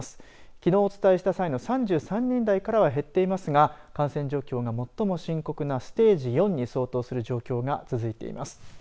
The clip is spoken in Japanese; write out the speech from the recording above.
きのうお伝えした際の３３人台からは減っていますが感染状況が最も深刻なステージ４に相当する状況が続いています。